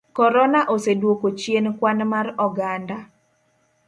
Korona oseduoko chien kwan mar oganda.